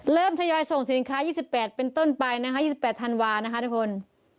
ทยอยส่งสินค้า๒๘เป็นต้นไปนะคะ๒๘ธันวานะคะทุกคน